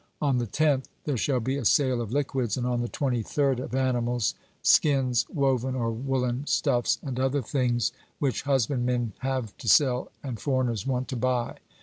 On the tenth, there shall be a sale of liquids, and on the twenty third of animals, skins, woven or woollen stuffs, and other things which husbandmen have to sell and foreigners want to buy.